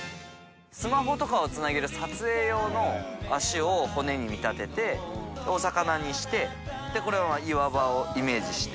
好泪曚箸つなげる撮影用の足を骨に見立てて砲靴日これは岩場をイメージして。